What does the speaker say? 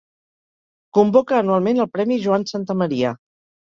Convoca anualment el Premi Joan Santamaria.